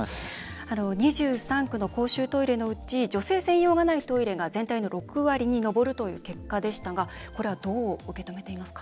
２３区の公衆トイレのうち女性専用がないトイレが全体の６割に上るという結果でしたが、これはどう受け止めていますか？